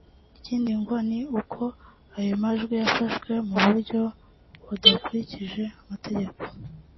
Ikindi ngo ni uko ayo majwi yafashwe mu buryo budakurikije amategeko